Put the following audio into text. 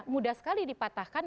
mudah sekali dipatahkan